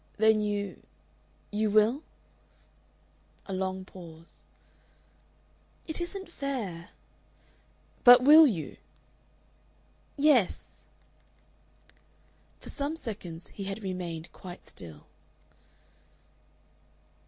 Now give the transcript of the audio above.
"Then you you will?" A long pause. "It isn't fair...." "But will you?" "YES." For some seconds he had remained quite still.